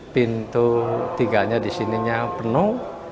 pintu tiga nya di sininya penuh